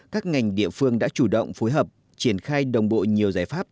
các ngành địa phương đã chủ động phối hợp triển khai đồng bộ nhiều giải pháp